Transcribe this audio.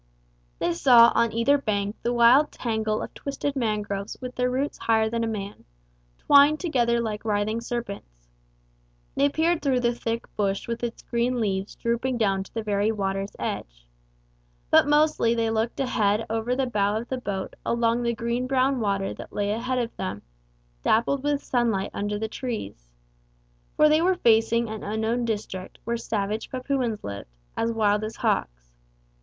They saw on either bank the wild tangle of twisted mangroves with their roots higher than a man, twined together like writhing serpents. They peered through the thick bush with its green leaves drooping down to the very water's edge. But mostly they looked ahead over the bow of the boat along the green brown water that lay ahead of them, dappled with sunlight under the trees. For they were facing an unknown district where savage Papuans lived as wild as hawks.